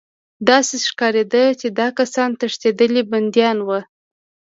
داسې ښکارېده چې دا کسان تښتېدلي بندیان وو